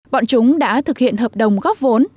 bọn chúng đã thực hiện hợp đồng góp vốn